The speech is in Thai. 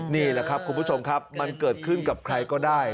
นี่แหละครับคุณผู้ชมครับมันเกิดขึ้นกับใครก็ได้